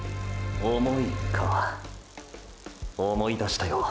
想いーーか思い出したよ。